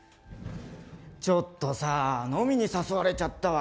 ちょっとさー、飲みに誘われちゃったわ。